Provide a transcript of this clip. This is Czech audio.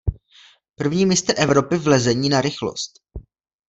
První mistr Evropy v lezení na rychlost.